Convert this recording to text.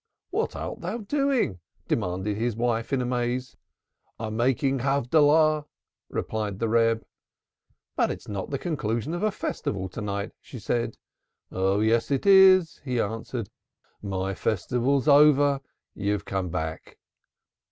'What art thou doing?' demanded his wife in amaze.' I am making Havdolah,' replied the Reb. 'But it is not the conclusion of a festival to night,' she said. 'Oh, yes, it is,' he answered. 'My Festival's over. You've come back.'"